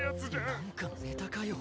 なんかのネタかよ。